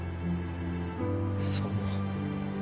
そんな。